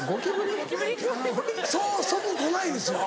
そうそこ来ないですよ。